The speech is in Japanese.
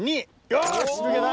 よし抜けた！